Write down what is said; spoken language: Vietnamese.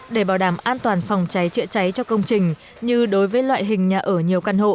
để bảo đảm an toàn phòng cháy chữa cháy cho công trình như đối với loại hình nhà ở nhiều căn hộ